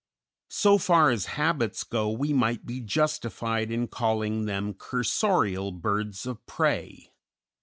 So far as habits go we might be justified in calling them cursorial birds of prey.